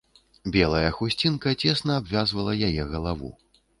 Белая хусцінка цесна абвязвала яе галаву.